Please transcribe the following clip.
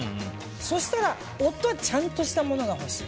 そうしたら、夫はちゃんとしたものが欲しい。